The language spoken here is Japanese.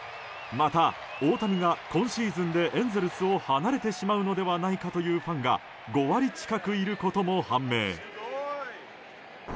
また、大谷が今シーズンでエンゼルスを離れてしまうのではないかというファンが５割近くいることも判明。